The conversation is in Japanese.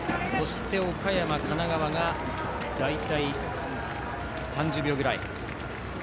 岡山、神奈川が大体３０秒くらい。